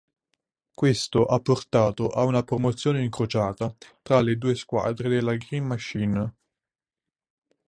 Questo ha portato a una promozione incrociata tra le due squadre della "green machine".